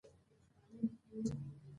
د اوبو سپما د ټولني د ثبات مهم عنصر دی.